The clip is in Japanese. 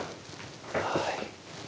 はい。